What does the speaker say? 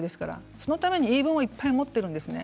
そのために言い分をいっぱい持ってるんです。